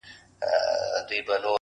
• په جونګړو به شور ګډ د پښتونخوا سي,